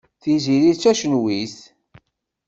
Tiziri d tacenwit.